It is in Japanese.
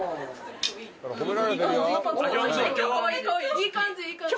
いい感じいい感じ。